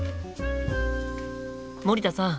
森田さん。